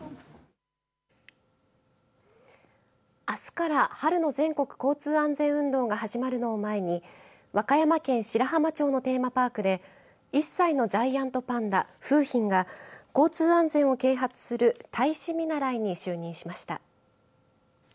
あすから春の全国交通安全運動が始まるのを前に和歌山県白浜町のテーマパークで１歳のジャイアントパンダ楓浜が交通安全を啓発する大使見習いに就任しました。